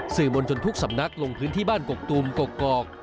สื่อมนต์จนทุกสำนักลงพื้นที่บ้านกกตูมกกกอก